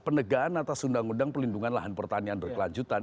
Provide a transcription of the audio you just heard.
penegaan atas undang undang pelindungan lahan pertanian berkelanjutan